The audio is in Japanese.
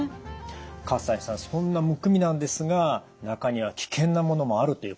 西さんそんなむくみなんですが中には危険なものもあるということですね？